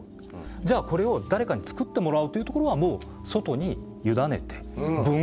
じゃあこれを誰かにつくってもらうというところはもう外に委ねて分業体制にしてる。